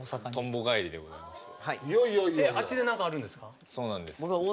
あっちで何かあんですか？